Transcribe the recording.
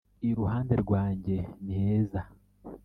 iruhande rwanjye niheza.